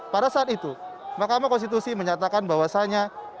pada saat itu mahkamah konstitusi menyatakan bahwasannya